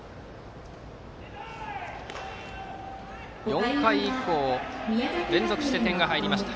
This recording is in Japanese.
４回以降、連続して点が入りました。